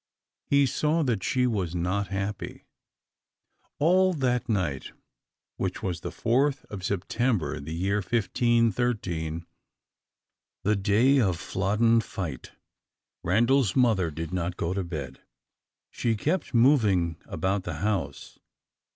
He saw that she was not happy. All that night, which was the Fourth of September, in the year 1513, the day of Flodden fight, Randal's mother did not go to bed. She kept moving about the house.